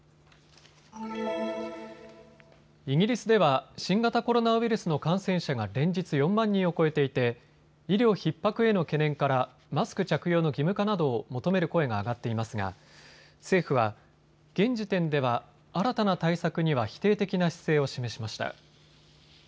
イギリスでは新型コロナウイルスの感染者が連日４万人を超えていて医療ひっ迫への懸念からマスク着用の義務化などを求める声が上がっていますが政府は現時点では新たな対策には否定的な姿勢を示しました。